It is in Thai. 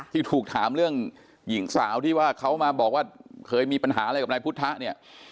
ที่ถูกถามเรื่องหญิงสาวที่ว่าเขามาบอกว่าเคยมีปัญหาอะไรกับนายพุทธะเนี่ย